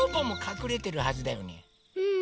うん。